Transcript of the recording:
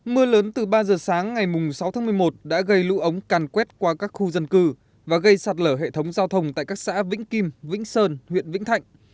mưa lớn từ ba giờ sáng ngày sáu tháng một mươi một đã gây lũ ống càn quét qua các khu dân cư và gây sạt lở hệ thống giao thông tại các xã vĩnh kim vĩnh sơn huyện vĩnh thạnh